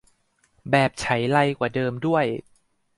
แบบไฉไลกว่าเดิมด้วย